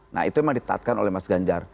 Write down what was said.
nah itu memang ditaatkan oleh mas ganjar